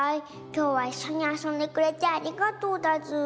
きょうはいっしょにあそんでくれてありがとうだズー。